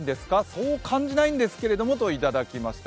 そう感じないんですけどといただきました。